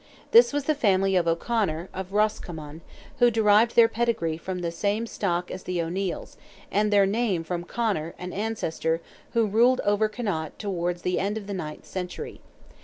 This was the family of O'Conor, of Roscommon, who derived their pedigree from the same stock as the O'Neils, and their name from Conor, an ancestor, who ruled over Connaught, towards the end of the ninth century.